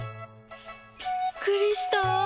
びっくりした！